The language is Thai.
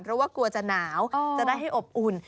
เพราะว่ากลัวจะหนาวจะได้ให้อบอุ่น